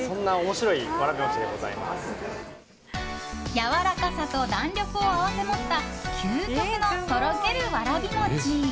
やわらかさと弾力を併せ持った究極のとろけるわらび餅。